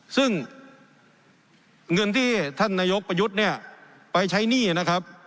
ซึ่งเงินที่ท่านนายกำตีเนี้ยไปใช้หนี้นะครับ